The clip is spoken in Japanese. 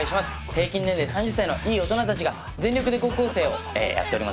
平均年齢３０歳のいい大人たちが全力で高校生をやっております。